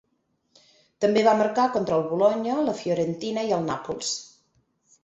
També va marcar contra el Bolonya, la Fiorentina i el Nàpols.